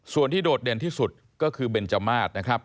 ส่วนที่โดดเด่นที่สุดก็คือเบนจมาสนะครับ